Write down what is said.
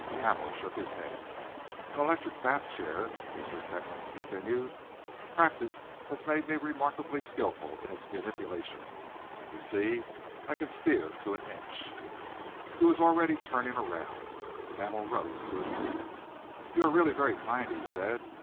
Hamel shook his head. "An electrical bath chair," Mr. Fentolin continued. "Practice has made me remarkably skilful in its manipulation. You see, I can steer to an inch." He was already turning around. Hamel rose to his feet. "You are really very kind," he said.